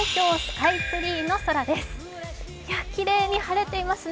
きれいに晴れていますね。